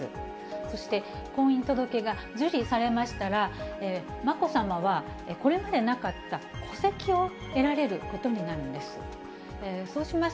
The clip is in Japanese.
そして、婚姻届が受理されましたら、まこさまはこれまでなかった戸籍を得られることになるんです。